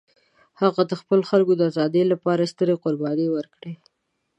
هغه د خپل خلکو د ازادۍ لپاره سترې قربانۍ ورکړې.